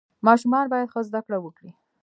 ماشومان باید ښه زده کړه وکړي.